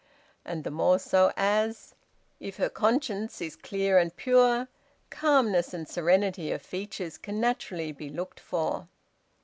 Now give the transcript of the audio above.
And the more so as, if her conscience is clear and pure, calmness and serenity of features can naturally be looked for.